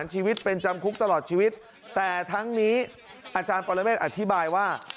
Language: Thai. ชีวิตเป็นจำคุกตลอดชีวิตแต่ทั้งนี้อาจารย์ปรเมฆอธิบายว่า